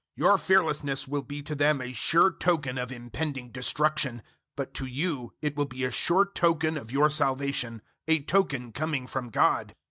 Your fearlessness will be to them a sure token of impending destruction, but to you it will be a sure token of your salvation a token coming from God.